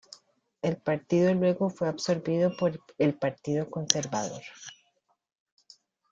El partido luego fue absorbido por el Partido Conservador.